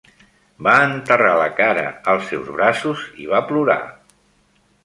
Va enterrar la cara als seus braços i va plorar.